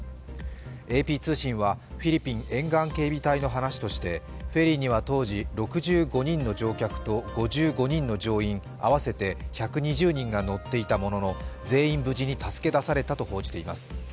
ＡＰ通信はフィリピン沿岸警備隊の話としてフェリーには当時、６５人の乗客と５５人の乗員、合わせて１２０人が乗っていたものの、全員無事に助け出されたと報じています。